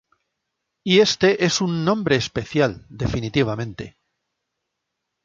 Y este es un nombre especial, definitivamente.